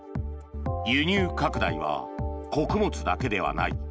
輸入拡大は穀物だけではない。